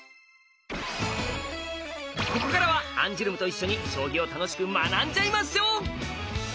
ここからはアンジュルムと一緒に将棋を楽しく学んじゃいましょう！